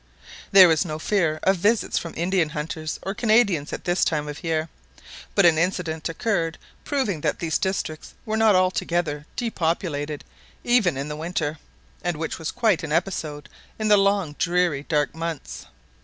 There was no fear of visits from Indian hunters or Canadians at this time of year, but an incident occurred proving that these districts were not altogether depopulated even in the winter, and which was quite an episode in the long dreary dark months.